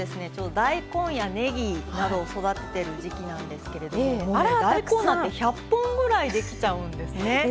大根や、ねぎなどを育てている時季なんですけど大根なんて１００本くらいできちゃうんですね。